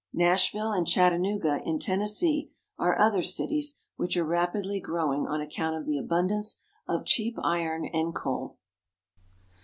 Nashville and Chattanooga, in Tennessee, are other cities which are rapidly growing on account of the abundance of cheap iron and coal.